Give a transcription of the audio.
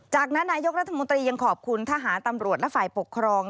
จากนั้นนายกรัฐมนตรียังขอบคุณทหารตำรวจและฝ่ายปกครอง